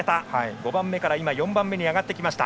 ５番目から４番目に上がってきた。